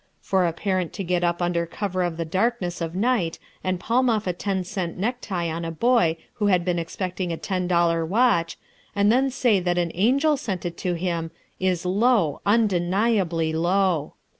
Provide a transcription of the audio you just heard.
For a parent to get up under cover of the darkness of night and palm off a ten cent necktie on a boy who had been expecting a ten dollar watch, and then say that an angel sent it to him, is low, undeniably low.